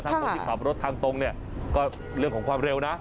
ทั้งคนที่ขับรถทางตรงก็เรื่องของความเร็วนะ